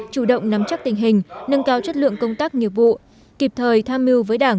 chủ động nắm chắc tình hình nâng cao chất lượng công tác nghiệp vụ kịp thời tham mưu với đảng